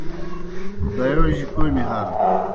دایوجیْ کوْمی ہرہ۔